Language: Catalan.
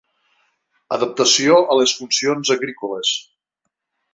Adaptació a les funcions agrícoles.